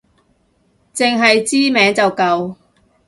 淨係知名就夠